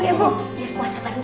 biar puasa baru